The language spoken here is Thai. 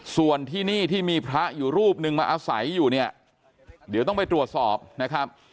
ส่วนที่นี่ที่มีพระอยู่รูปนึงมาอาศัยอยู่เนี่ยเดี๋ยวต้องไปตรวจสอบนะครับ